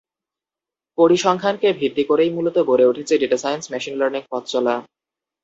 পরিসংখ্যানকে ভিত্তি করেই মূলত গড়ে উঠেছে ডেটা সাইন্স, মেশিন লার্নিং পথচলা।